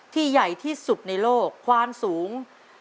ใหญ่ที่สุดในโลกความสูง